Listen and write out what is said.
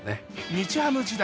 日ハム時代